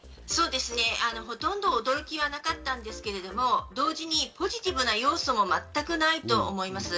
ほとんど驚きはなかったんですけれども、同時にポジティブな要素も全くないと思います。